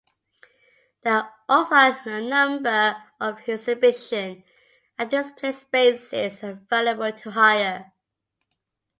There are also a number of exhibition and display spaces available to hire.